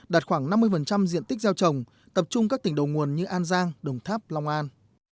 đạt khoảng năm mươi diện tích gieo trồng tập trung các tỉnh đầu nguồn như an giang đồng tháp long an